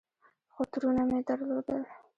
خو ترونه مې درلودل.